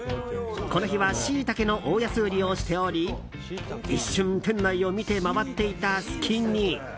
この日はシイタケの大安売りをしており一瞬、店内を見て回っていた隙に。